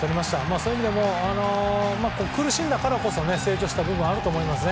そういう意味でも苦しんだからこそ成長した部分はあると思いますね。